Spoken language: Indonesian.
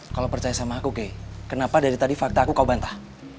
kalau percaya sama aku oke kenapa dari tadi fakta aku kau bantah